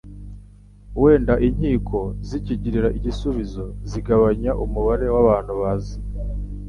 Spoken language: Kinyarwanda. Wenda inkiko zakigirira igisubizo zigabanya umubare w'abantu baza,